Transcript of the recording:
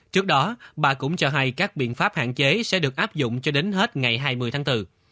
trước đó bà cũng cho hay các biện pháp hạn chế sẽ được áp dụng cho đến hết ngày hai mươi tháng bốn